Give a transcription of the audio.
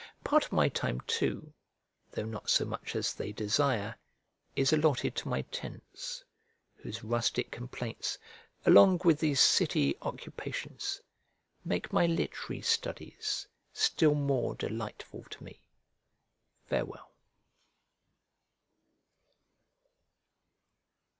Part of my time too (though not so much as they desire) is allotted to my tenants; whose rustic complaints, along with these city occupations, make my literary studies still more delightful to me. Farewell.